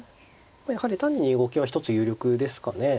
やはり単に２五桂は一つ有力ですかね。